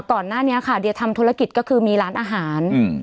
ก่อนหน้านี้ค่ะเดียทำธุรกิจก็คือมีร้านอาหารอืม